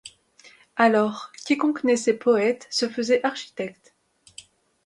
Alors, quiconque naissait poète se faisait architecte.